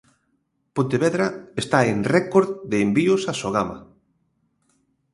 Pontevedra está en récord de envíos a Sogama.